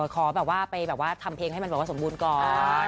ขอไปทำเพลงให้มันสมบูรณ์ก่อน